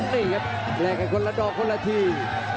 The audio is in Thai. นี่ครับแลกกันคนละดอกคนละที